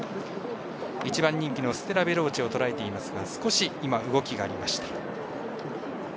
１番人気のステラヴェローチェをとらえていますが少し、動きがありました。